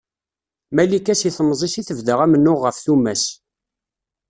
Malika seg temẓi-s i tebda amennuɣ ɣef tumas.